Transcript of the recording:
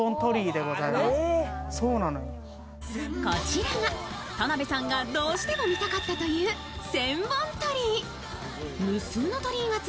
こちらが田辺さんがどうしても見たかったという千門鳥居。